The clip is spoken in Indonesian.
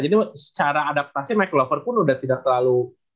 jadi secara adaptasi mike glover pun udah tidak terlalu